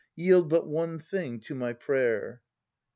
Yield but one thing to my prayer!